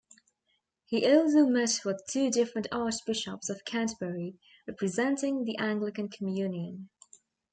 He also met with two different Archbishops of Canterbury representing the Anglican Communion.